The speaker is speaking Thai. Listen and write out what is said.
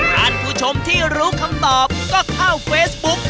ท่านผู้ชมที่รู้คำตอบก็เข้าเฟซบุ๊ก